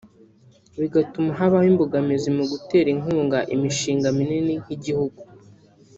bigatuma habaho imbogamizi mu gutera inkunga imishinga minini nk’igihugu